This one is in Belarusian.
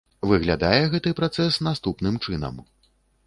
Выглядае гэты працэс наступным чынам.